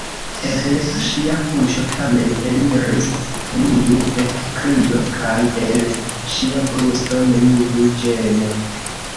El ŝia buŝo tamen eliris neniu ekkrio kaj el ŝia brusto neniu ĝemo.